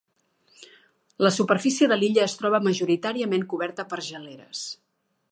La superfície de l'illa es troba majoritàriament coberta per geleres.